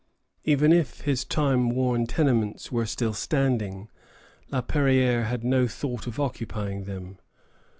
Even if his timeworn tenements were still standing, La Perrière had no thought of occupying them.